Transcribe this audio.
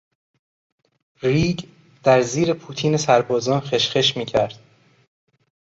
ریگ در زیر پوتین سربازان خش خش میکرد.